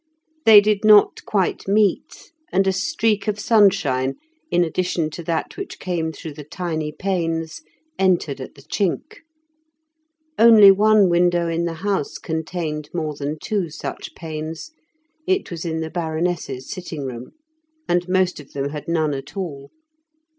They did not quite meet, and a streak of sunshine, in addition to that which came through the tiny panes, entered at the chink. Only one window in the house contained more than two such panes (it was in the Baroness's sitting room), and most of them had none at all.